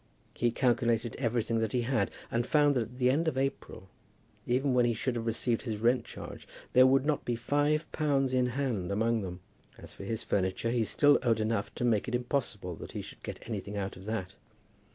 He calculated everything that he had, and found that at the end of April, even when he should have received his rent charge, there would not be five pounds in hand among them. As for his furniture, he still owed enough to make it impossible that he should get anything out of that.